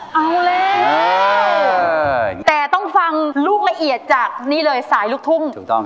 เอาแหละเออแต่ต้องฟังลูกละเอียดจากนี่เลยสายลูกทุ่มถูกต้องครับ